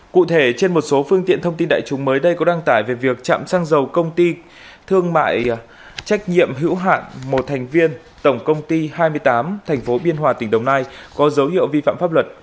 cụ thể trên một số phương tiện thông tin đại chúng mới đây có đăng tải về việc chạm xăng dầu công ty thương mại trách nhiệm hữu hạn một thành viên tổng công ty hai mươi tám tp biên hòa tỉnh đồng nai có dấu hiệu vi phạm pháp luật